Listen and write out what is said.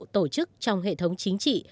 tổ chức trong hệ thống chính trị